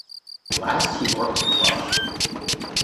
Last he worked in Prague.